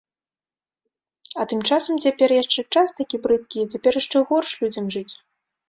А тым часам цяпер яшчэ час такі брыдкі, цяпер яшчэ горш людзям жыць.